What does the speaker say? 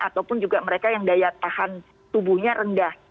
ataupun juga mereka yang daya tahan tubuhnya rendah